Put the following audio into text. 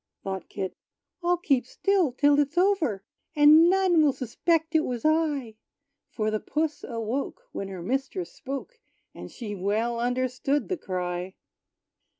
Thought Kit, "I'll keep still till it's over; And none will suspect it was I." For the puss awoke, when her mistress spoke; And she well understood the cry.